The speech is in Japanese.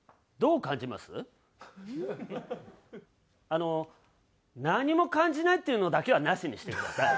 あの何も感じないっていうのだけはなしにしてください。